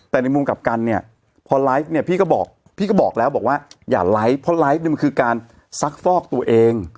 แต่ในมุมกลับกันเนี่ยพอไลฟ์เนี่ยพี่ก็บอกพี่ก็บอกแล้วบอกว่าอย่าไลฟ์เพราะไลฟ์เนี่ยมันคือการซักฟอกตัวเอง